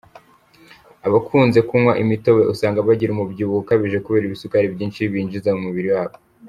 Abakunze kunywa imitobe usanga bagira umubyibuho ukabije kubera ibisukari byinshi binjiza mu mubiri wabo.